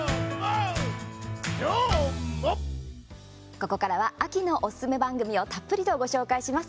ここからは、秋のおすすめ番組をたっぷりとご紹介します。